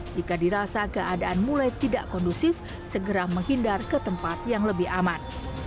jika dirasa keadaan mulai tidak kondusif segera menghindar ke tempat yang lebih aman